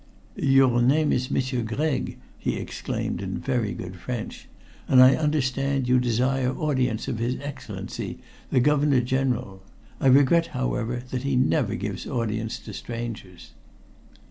"Your name is M'sieur Gregg," he exclaimed in very good French, "and I understand you desire audience of his Excellency, the Governor General. I regret, however, that he never gives audience to strangers."